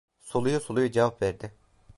Soluya soluya cevap verdi.